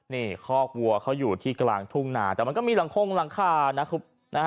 นี่คอกวัวเขาอยู่ที่กลางทุ่งนาแต่มันก็มีหลังคงหลังคานะครับ